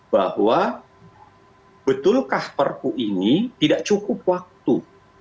bahwa betulkah perpu ini tidak cukup waktu